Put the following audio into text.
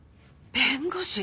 弁護士！？